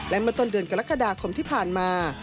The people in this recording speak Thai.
และเมื่อต้นเดือนกรกฎาคมที่ผ่านมา